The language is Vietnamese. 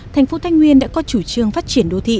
thành phố thái nguyên đã có chủ trương phát triển đô thị